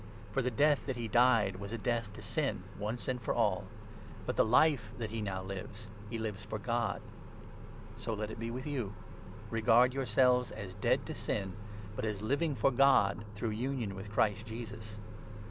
For the death that he died was a death to sin, once 10 and for all. But the Life that he now lives, he lives for God. So let it be with you — regard yourselves as dead to sin, but 1 1 as living for God, through union with Christ Jesus.